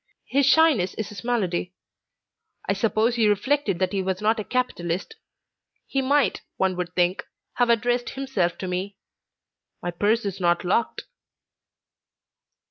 His shyness is his malady. I suppose he reflected that he was not a capitalist. He might, one would think, have addressed himself to me; my purse is not locked."